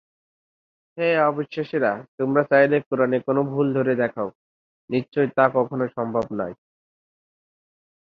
পয়ঃনিষ্কাশন ব্যবস্থা পুরানো এবং ক্যাম্পের জনসংখ্যার চাহিদা মোকাবেলা করার জন্য আপগ্রেড করা প্রয়োজন।